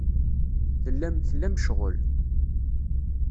Tellam tlam ccɣel.